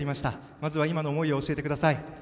まず今の思いを教えてください。